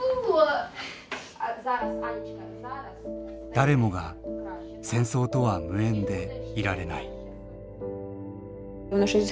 誰もが戦争とは無縁でいられない。